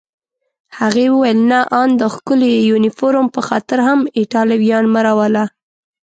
هغې وویل: نه، آن د ښکلي یونیفورم په خاطر هم ایټالویان مه راوله.